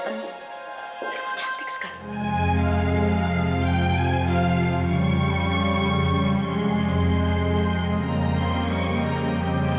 kamu cantik sekali